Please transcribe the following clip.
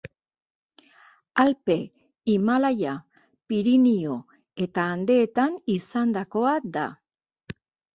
Alpe, Himalaia, Pirinio eta Andeetan izandakoa da.